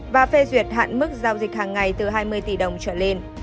và phê duyệt hạn mức giao dịch hàng ngày từ hai mươi tỷ đồng trở lên